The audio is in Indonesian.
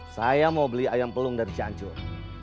saya mau beli ayam pelung dari cianjur